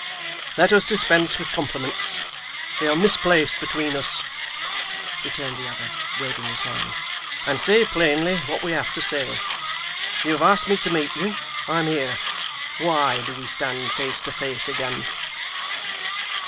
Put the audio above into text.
'Let us dispense with compliments. They are misplaced between us,' returned the other, waving his hand, 'and say plainly what we have to say. You have asked me to meet you. I am here. Why do we stand face to face again?